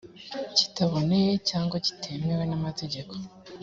kitaboneye cyangwa kitemewe n amategeko